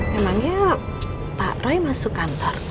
memangnya pak roy masuk kantor